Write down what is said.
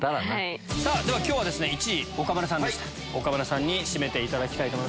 今日は１位岡村さんでした岡村さんに締めていただきます。